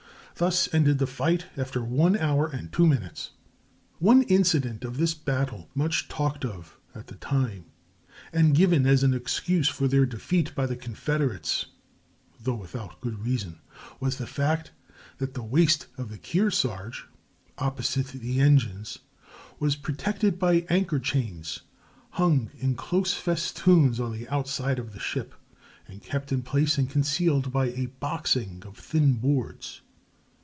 Thus ended the fight after one hour and two minutes. One incident of this battle much talked of at the time, and given as an excuse for their defeat by the Confederates (though without good reason), was the fact that the waist of the Kearsarge, opposite the engines, was protected by anchor chains, hung in close festoons on the outside of the ship, and kept in place and concealed by a boxing of thin boards.